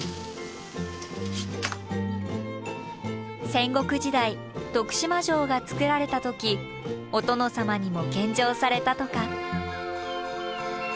戦国時代徳島城が造られた時お殿様にも献上されたとか。